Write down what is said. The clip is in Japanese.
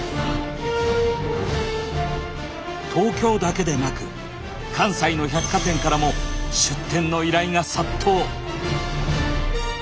東京だけでなく関西の百貨店からも出店の依頼が殺到。